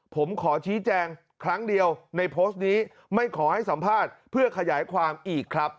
ผมขอชี้แจงครั้งเดียวในโพสต์นี้ไม่ขอให้สัมภาษณ์เพื่อขยายความอีกครับ